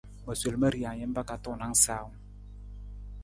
Ma sol ma rijang jampa ka tuunang sawung.